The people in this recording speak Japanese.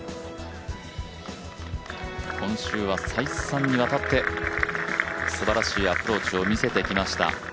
今週は再三にわたってすばらしいアプローチを見せてきました。